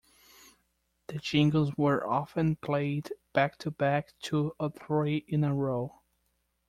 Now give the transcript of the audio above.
The jingles were often played back-to-back two or three in a row.